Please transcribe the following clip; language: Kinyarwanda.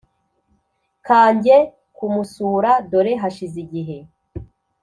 Kanjye kumusura dore hashize igihe